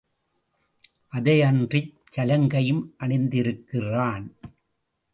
அதையன்றிச் சலங்கையும் அணிந்திருக்கிறான்.